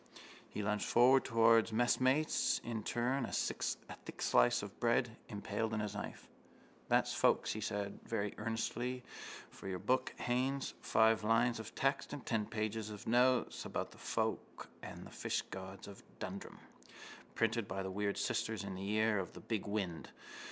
_ He lunged towards his messmates in turn a thick slice of bread, impaled on his knife. —That's folk, he said very earnestly, for your book, Haines. Five lines of text and ten pages of notes about the folk and the fishgods of Dundrum. Printed by the weird sisters in the year of the big wind.